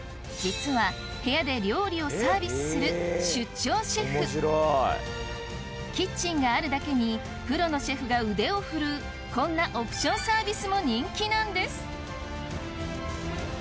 実は部屋で料理をサービスする出張シェフキッチンがあるだけにプロのシェフが腕を振るうこんなオプションサービスも人気なんです